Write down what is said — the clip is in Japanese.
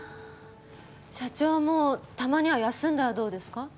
社長もたまには休んだらどうですか？